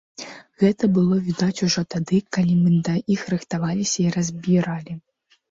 Гэта было відаць ужо тады, калі мы да іх рыхтаваліся і разбіралі.